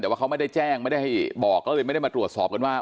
แต่ว่าเขาไม่ได้แจ้งไม่ได้ให้บอกก็เลยไม่ได้มาตรวจสอบกันว่า